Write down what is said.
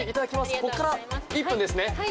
ここから１分ですね？